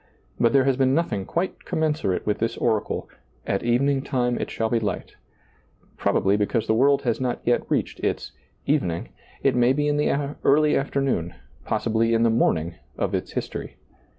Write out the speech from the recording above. But there has been nothing quite commensurate with this oracle, " at evening time it shall be light," prob ably because the world has not yet reached its " evening ;" it may be in the early afternoon, possi ^lailizccbvGoOgle So SEEING DARKLY bly in the morning, of its history.